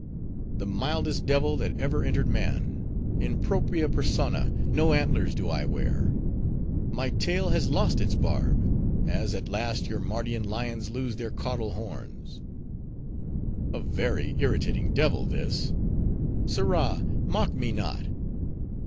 "The mildest devil that ever entered man; in propria persona, no antlers do I wear; my tail has lost its barb, as at last your Mardian lions lose their caudal horns." "A very iterating devil this. Sirrah! mock me not.